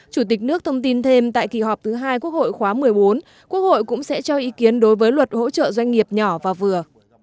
chủ tịch nước thông tin thêm tại kỳ họp thứ hai quốc hội khóa một mươi bốn quốc hội cũng sẽ cho ý kiến đối với luật hỗ trợ doanh nghiệp nhỏ và vừa